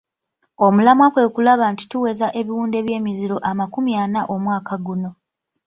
Omulamwa kwe kulaba nti tuweza ebiwunde by'emiziro amakumi ana omwaka guno.